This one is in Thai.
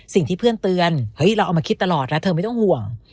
สิ่งที่เพื่อนเตือนเฮ้ยเราเอามาคิดตลอดนะเธอไม่ต้องห่วง